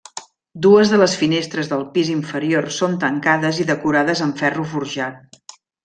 Dues de les finestres del pis inferior són tancades i decorades amb ferro forjat.